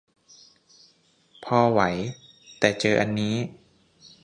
พอไหว แต่เจออันนี้